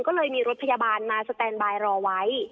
ก็เลยมีรถพยาบาลมาสแตนบายรอไว้